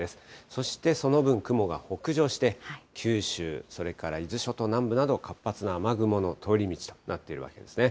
そしてその分、雲が北上して、九州それから伊豆諸島南部など活発な雨雲の通り道となっているわけですね。